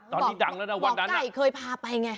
บอกใกล้เคยพาไปไง